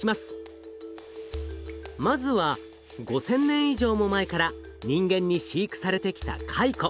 まずは５，０００年以上も前から人間に飼育されてきたカイコ。